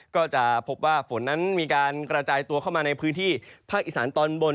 ก็จะพบว่าฝนนั้นมีการกระจายตัวเข้ามาในพื้นที่ภาคอีสานตอนบน